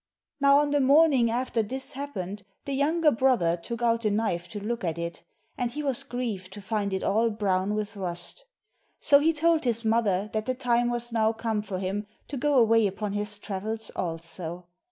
Now on the morning after this happened the younger brother took out the knife to look at it, and he was grieved to find it all brown with rust. So he told his mother that the time was now come for him to go away upon his travels also.